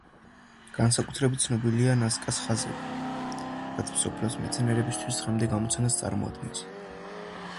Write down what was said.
განსაკუთრებით ცნობილია ნასკას ხაზები, რაც მსოფლიო მეცნიერებისთვის დღემდე გამოცანას წარმოადგენს.